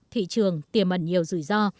thị trường tiềm ẩn nhiều rủi ro